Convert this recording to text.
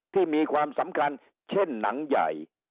มีความสำคัญเช่นหนังใหญ่